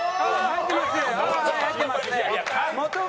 入ってます。